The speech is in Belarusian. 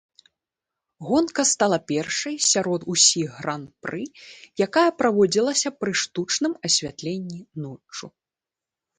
Гонка стала першай сярод усіх гран-пры, якая праводзілася пры штучным асвятленні ноччу.